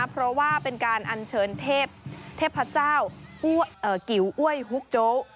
เพราะว่าเป็นการอัญเชิญเทพเจ้ากิ๋วอ้วยฮุกโจ๊ก